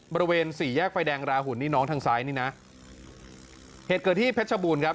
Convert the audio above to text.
บริเวณสี่แยกไฟแดงราหุ่นนี่น้องทางซ้ายนี่นะเหตุเกิดที่เพชรบูรณ์ครับ